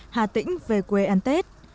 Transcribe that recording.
hà tĩnh về quê ăn tết